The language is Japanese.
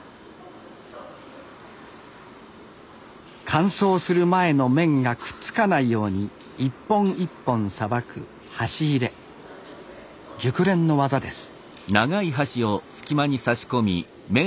乾燥する前の麺がくっつかないように一本一本さばく熟練の技です。